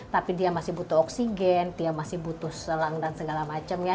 tapi dia masih butuh oksigen dia masih butuh selang dan segala macam ya